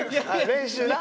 練習な。